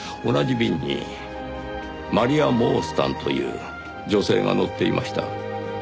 同じ便にマリア・モースタンという女性が乗っていました。